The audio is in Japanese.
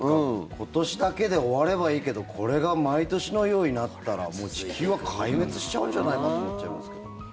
今年だけで終わればいいけどこれが毎年のようになったら地球は壊滅しちゃうんじゃないかと思っちゃいます。